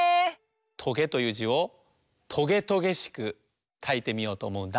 「とげ」という「じ」をとげとげしくかいてみようとおもうんだ。